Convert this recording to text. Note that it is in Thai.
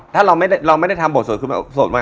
ถ้าเราไม่ได้ทำบทส่วนมา